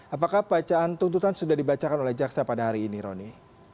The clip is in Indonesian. apakah bacaan tuntutan sudah dibacakan oleh jaksa pada hari ini roni